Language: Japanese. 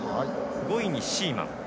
５位にシーマン。